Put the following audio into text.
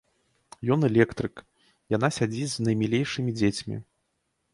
Ён электрык, яна сядзіць з наймілейшымі дзецьмі.